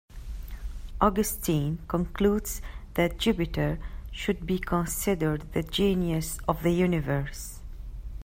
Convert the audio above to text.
Augustine concludes that Jupiter should be considered the "genius" of the universe.